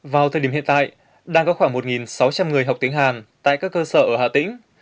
vào thời điểm hiện tại đang có khoảng một sáu trăm linh người học tiếng hàn tại các cơ sở ở hà tĩnh